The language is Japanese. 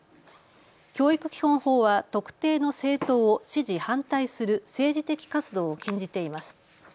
教育基本法は特定の政党を支持・反対する政治的活動を禁じています。